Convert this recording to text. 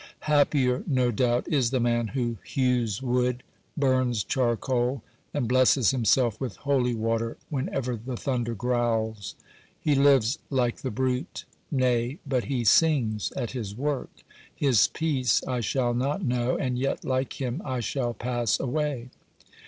Happier, no doubt, is the man who hews wood, burns charcoal, and blesses himself with holy water whenever the thunder growls. He lives like the brute. Nay, but he sings at his work ! His peace I shall not know, and yet like him I shall pass away.